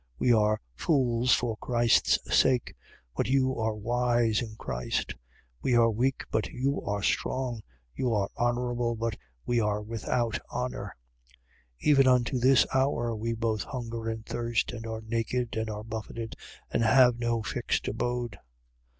4:10. We are fools for Christs sake, but you are wise in Christ: we are weak, but you are strong: you are honourable, but we without honour. 4:11. Even unto this hour we both hunger and thirst and are naked and are buffeted and have no fixed abode.